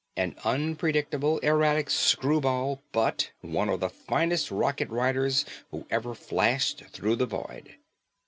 An unpredictable, erratic screwball but one of the finest rocket riders who ever flashed through the void.